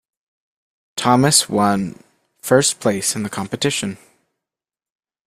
Thomas one first place in the competition.